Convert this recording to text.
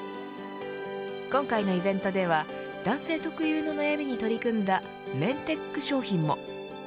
今回のイベントでは男性特有の悩みに取り組んだフェムテック商品も。